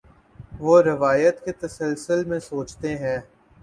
وہ روایت کے تسلسل میں سوچتے ہیں۔